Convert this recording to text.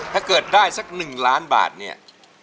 ถ้าเกิดได้สัก๑ล้านบาทเนี่ย